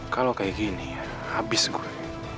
kalau kayak gini ya habis gue